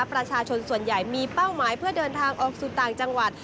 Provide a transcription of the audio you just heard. ประชาชนส่วนใหญ่มีเป้าหมายเพื่อเดินทางออกสู่ต่างจังหวัด